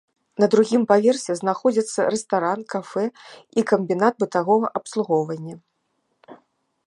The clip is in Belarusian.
На другім паверсе знаходзяцца рэстаран, кафэ і камбінат бытавога абслугоўвання.